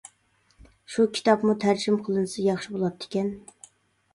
شۇ كىتابمۇ تەرجىمە قىلىنسا ياخشى بولاتتىكەن.